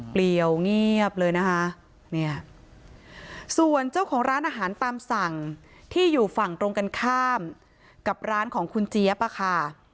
เรียวเงียบเลยนะคะเนี่ยส่วนเจ้าของร้านอาหารตามสั่งที่อยู่ฝั่งตรงกันข้ามกับร้านของคุณเจี๊ยบอะค่ะ